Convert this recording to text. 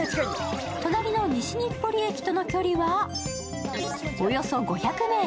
隣の西日暮里駅との距離はおよそ５００ｍ。